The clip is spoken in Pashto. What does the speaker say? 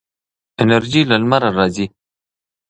انرژي له لمره راځي.